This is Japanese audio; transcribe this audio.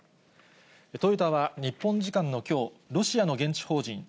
トヨタは日本時間のきょう、ロシアの現地法人